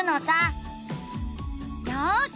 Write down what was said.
よし！